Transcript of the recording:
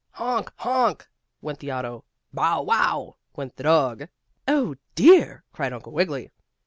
"Honk Honk!" went the auto. "Bow wow!" went the dog. "Oh, dear!" cried Uncle Wiggily.